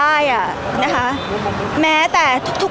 พี่ตอบได้แค่นี้จริงค่ะ